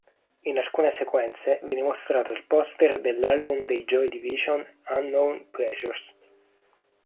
In alcune sequenze viene mostrato il poster dell'album dei Joy Division "Unknown Pleasures".